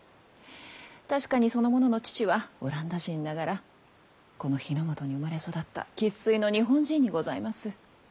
確かにその者の父はオランダ人ながらこの日の本に生まれ育った生っ粋の日本人にございます。